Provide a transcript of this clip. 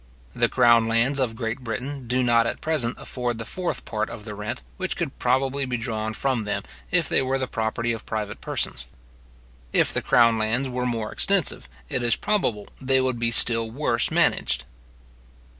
The crown lands of Great Britain do not at present afford the fourth part of the rent which could probably be drawn from them if they were the property of private persons. If the crown lands were more extensive, it is probable, they would be still worse managed.